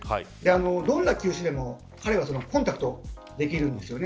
どんな球種でも彼はコンタクトができるんですよね。